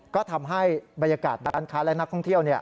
ก็ทำให้บรรยากาศร้านค้าและนักท่องเที่ยว